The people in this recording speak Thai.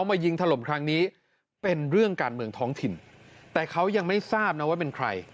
มายิงถล่มครั้งนี้เป็นเรื่องการเมืองท้องถิ่นแต่เขายังไม่ทราบนะว่าเป็นใคร